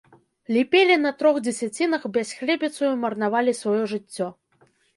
Ліпелі на трох дзесяцінах, бясхлебіцаю марнавалі сваё жыццё.